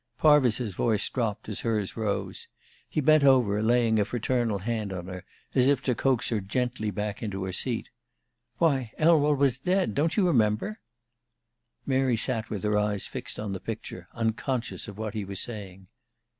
Parvis's voice dropped as hers rose. He bent over, laying a fraternal hand on her, as if to coax her gently back into her seat. "Why, Elwell was dead! Don't you remember?" Mary sat with her eyes fixed on the picture, unconscious of what he was saying.